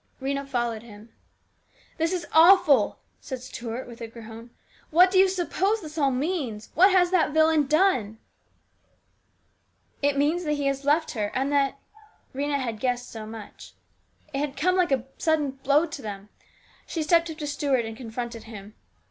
Rhena followed him. " This is awful !" said Stuart with a groan. " What do you suppose this all means ? What has that villain done ?"" It means that he has left her, and that Rhena had guessed so much. It had come like a sudden blow to them. She stepped up to Stuart and confronted him.